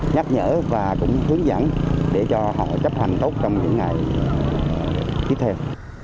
nhắc nhở và cũng hướng dẫn để cho họ chấp hành tốt trong những ngày tiếp theo